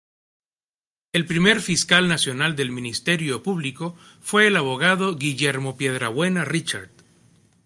El primer Fiscal Nacional del Ministerio Público fue el abogado Guillermo Piedrabuena Richard.